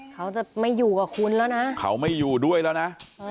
เขาจะไม่อยู่กับคุณแล้วนะเขาไม่อยู่ด้วยแล้วนะ